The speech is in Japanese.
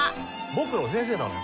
僕の先生なの。